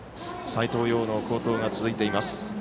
斎藤蓉の好投が続いています。